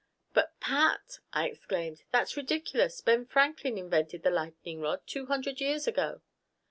"But, Pat," I exclaimed, "that's ridiculous! Ben Franklin invented the lightning rod two hundred years ago."